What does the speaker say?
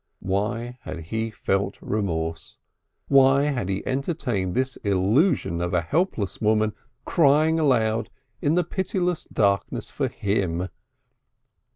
Why had he felt remorse? Why had he entertained this illusion of a helpless woman crying aloud in the pitiless darkness for him?